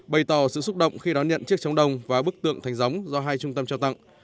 bày tỏ sự xúc động khi đón nhận chiếc trống đồng và bức tượng thành gióng do hai trung tâm trao tặng